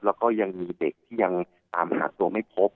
แล้วก็ยังมีเด็กที่ยังตามหาตัวไม่พบ